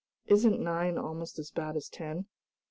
Isn't nine almost as bad as ten?